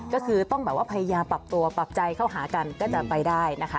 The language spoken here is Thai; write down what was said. ก็คือต้องแบบว่าพยายามปรับตัวปรับใจเข้าหากันก็จะไปได้นะคะ